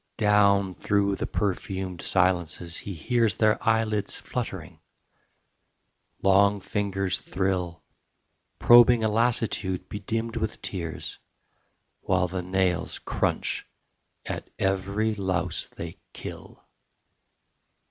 Down through the perfumed silences he hears Their eyelids fluttering: long fingers thrill, Probing a lassitude bedimmed with tears, While the nails crunch at every louse they kill.